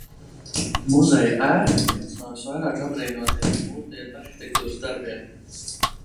Muzeja ēka ir viens no visvairāk apbrīnotajiem mūsdienu arhitektūras darbiem.